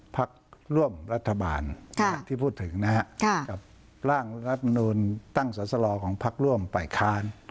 พักร่วมรัฐบาลที่พูดถึงนะฮะกับร่างรัฐมนูลตั้งสอสลอของพักร่วมฝ่ายค้าน